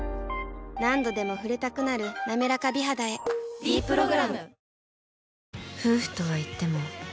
何度でも触れたくなる「なめらか美肌」へ「ｄプログラム」